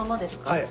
はい。